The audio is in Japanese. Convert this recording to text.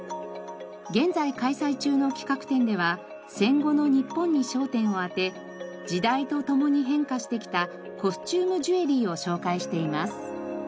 現在開催中の企画展では戦後の日本に焦点を当て時代とともに変化してきたコスチュームジュエリーを紹介しています。